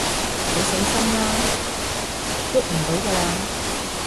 你死心啦，逳唔到㗎喇